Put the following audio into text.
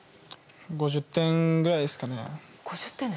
５０点ぐらいですかね。